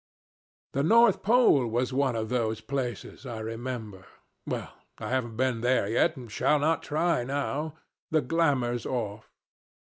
The North Pole was one of these places, I remember. Well, I haven't been there yet, and shall not try now. The glamour's off.